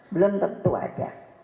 belum tentu ada